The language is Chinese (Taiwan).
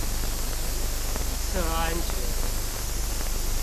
以策安全